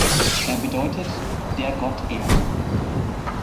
Er bedeutet „der Gott ehrt“.